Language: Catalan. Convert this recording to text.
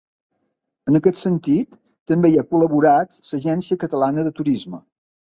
En aquest sentit, també hi ha col·laborat l'Agència Catalana de Turisme.